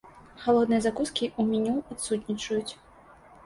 Халодныя закускі ў меню адсутнічаюць.